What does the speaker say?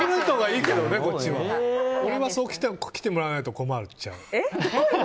俺はそう来てもらわないと困っちゃう。